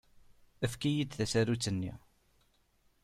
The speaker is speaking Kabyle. Efk-iyi-d tasarut-nni.